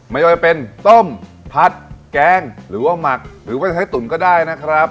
ไม่ว่าจะเป็นต้มผัดแกงหรือว่าหมักหรือว่าจะใช้ตุ๋นก็ได้นะครับ